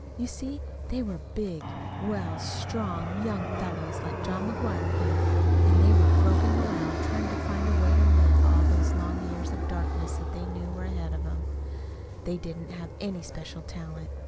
You see, they were big, well, strong, young fellows, like John McGuire here; and they were groping around, trying to find a way to live all those long years of darkness that they knew were ahead of them. They didn't have any especial talent.